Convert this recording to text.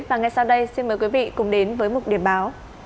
và ngay sau đây xin mời quý vị cùng đến với mục điểm báo